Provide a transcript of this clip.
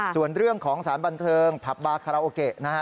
ส่วนเรื่องของสารบันเทิงผับบาคาราโอเกะนะฮะ